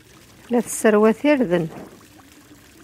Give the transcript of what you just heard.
La tesserwat irden.